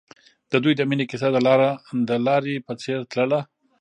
د دوی د مینې کیسه د لاره په څېر تلله.